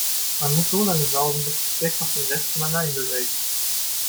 Man muss so lange saugen, bis die Schwerkraft den Rest von allein bewältigt.